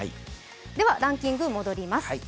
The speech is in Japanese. ではランキングに戻ります。